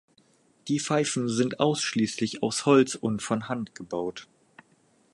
Die Pfeifen sind ausschließlich aus Holz und von Hand gebaut.